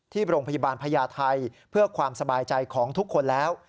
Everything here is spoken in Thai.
ที่โรงพยาบาลพญาไทยเพื่อความสบายใจของทุกคนแล้ว